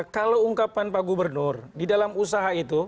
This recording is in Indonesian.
kalau ungkapan pak gubernur di dalam usaha itu